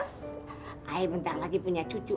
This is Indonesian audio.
ayah bentar lagi punya cucu